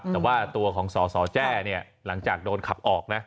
แต่ว่าตัวของสอสแจ่หลังจากโดนขับออก